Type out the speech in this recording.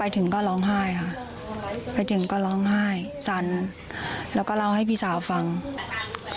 ซึ่งสภาพอย่างไรคะพี่สาวเล่าให้ฟังไหม